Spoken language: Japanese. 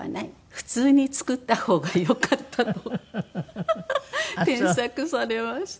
普通に作ったほうがよかった」と添削されました。